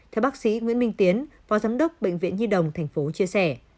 theo bác sĩ nguyễn minh tiến phó giám đốc bệnh viện nhi đồng thành phố chia sẻ